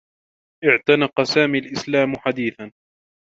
اعتنق سامي الإسلام حديثا.